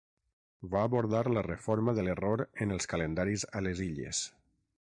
Va abordar la reforma de l'error en els calendaris a les illes.